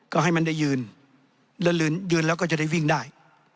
ก็ให้มันได้ยืนยืนแล้วก็จะได้วิ่งได้